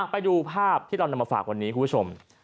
ไปดูภาพที่เรานำมาฝากวันนี้คุณผู้ชม